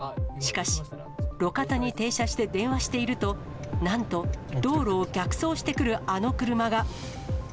しかし、路肩に停車して電話していると、なんと道路を逆走してくるあの車が。